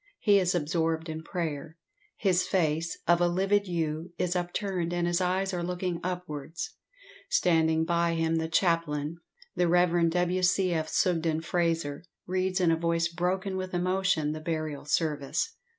He is absorbed in prayer his face, of a livid hue, is upturned, and his eyes are looking upwards. Standing by him, the chaplain, the Rev. W. C. F. Sugden Frazer, reads, in a voice broken with emotion, the burial service.